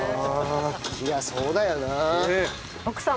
いやそうだよな。